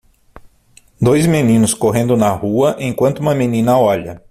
Dois meninos correndo na rua, enquanto uma menina olha.